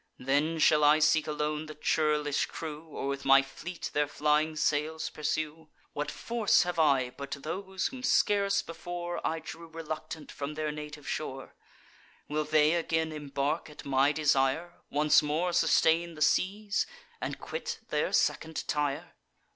Then, shall I seek alone the churlish crew, Or with my fleet their flying sails pursue? What force have I but those whom scarce before I drew reluctant from their native shore? Will they again embark at my desire, Once more sustain the seas, and quit their second Tyre?